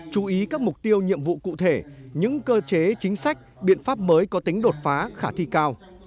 chú ý các mục tiêu nhiệm vụ cụ thể những cơ chế chính sách biện pháp mới có tính đột phá khả thi cao